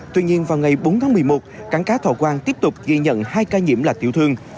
tuy nhiên vào ngày bốn tháng một mươi một cảng cá thọ quang tiếp tục ghi nhận hai ca nhiễm là tiểu thương